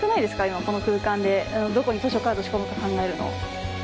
今この空間でどこに図書カード仕込むか考えるの。